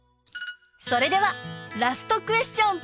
それではラストクエスチョン